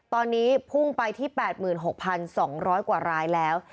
ตอนนี้พุ่งไปที่๘๖๒๐๐กว่ารายแล้ว